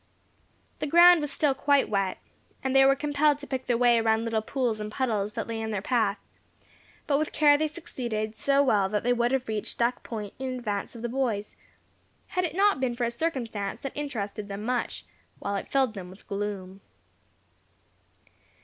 The ground was still quite wet, and they were compelled to pick their way around little pools and puddles that lay in their path; but with care they succeeded so well that they would have reached Duck Point in advance of the boys, had it not been for a circumstance that interested them much, while it filled them with gloom.